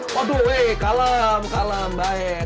waduh kalem kalem baik